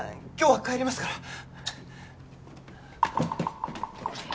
今日は帰りますから。